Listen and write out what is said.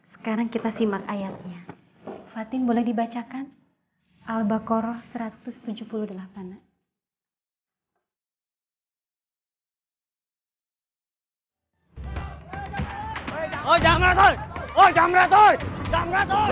sekarang kita simak ayatnya fatin boleh dibacakan